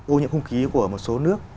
ô nhiễm không khí của một số nước